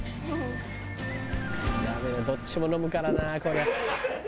「ダメだどっちも飲むからなこれ」